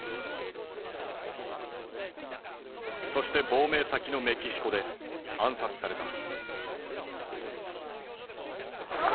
そして亡命先のメキシコで暗殺された。